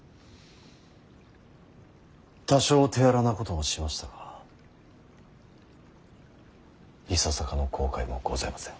多少手荒なこともしましたがいささかの後悔もございません。